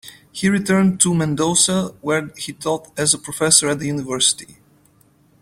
He returned to Mendoza, where he taught as a professor at the university.